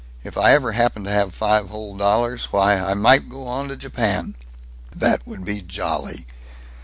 If I ever happen to have five whole dollars, why, I might go on to Japan!" "That would be jolly."